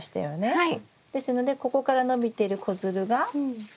はい。